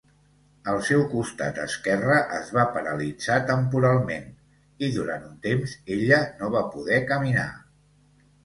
El seu costat esquerre es va paralitzar temporalment, i durant un temps ella no va poder caminar.